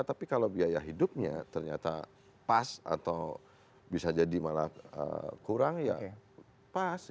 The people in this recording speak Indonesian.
tapi kalau biaya hidupnya ternyata pas atau bisa jadi malah kurang ya pas